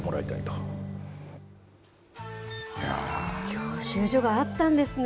教習所があったんですね。